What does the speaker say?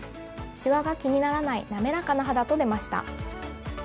シワが気にならない滑らかな肌と出ました。